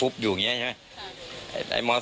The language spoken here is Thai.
พี่สมหมายก็เลย